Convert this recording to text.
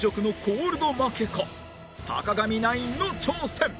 坂上ナインの挑戦！